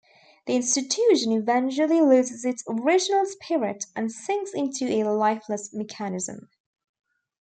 The institution eventually loses its "original spirit, and sinks into a lifeless mechanism".